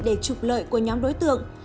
để trục lợi của nhóm đối tượng